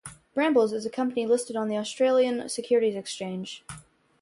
Brambles is a company listed on the Australian Securities Exchange.